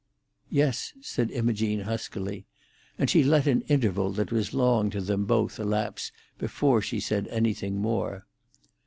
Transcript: "Yes," said Imogene huskily, and she let an interval that was long to them both elapse before she said anything more.